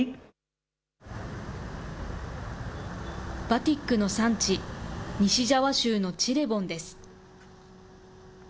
バティックの産地、西ジャワ州のチレボンです。